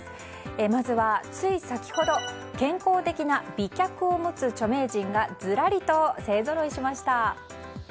まずは、つい先ほど健康的な美脚を持つ著名人がずらりと勢ぞろいしました。